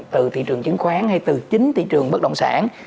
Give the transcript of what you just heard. từ thị trường chứng khoán ngay từ chính thị trường bất động sản